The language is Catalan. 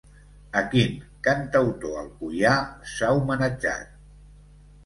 A quin cantautor alcoià s'ha homenatjat?